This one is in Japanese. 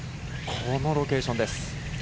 このロケーションです。